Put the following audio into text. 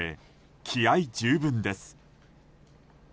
気合十分です。